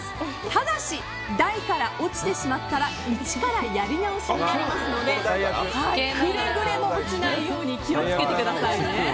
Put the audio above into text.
ただし、台から落ちてしまったら一からやり直しになりますのでくれぐれも落ちないように気をつけてくださいね。